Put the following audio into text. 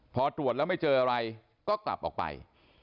พอตรวจแล้วไม่เจออะไรก็กลับออกไป